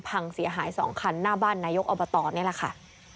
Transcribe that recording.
พังเสียหาย๒คันหน้าบ้านนายกอบตนี่แหละค่ะ